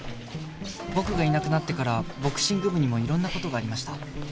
僕がいなくなってからボクシング部にもいろんな事がありました